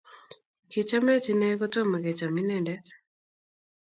Kichamech inne kotomo kecham inendet